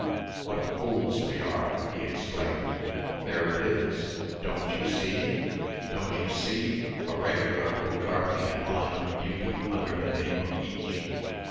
"What fools we are!" he exclaimed. "There it is! Don't you see? Don't you see? A regular Hogarthian line of beauty under the name on each."